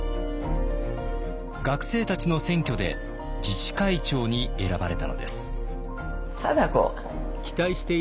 学生たちの選挙で自治会長に選ばれたのです。